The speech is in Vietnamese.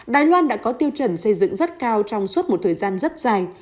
đài loan đã có tiêu chuẩn xây dựng rất cao trong suốt một thời gian rất dài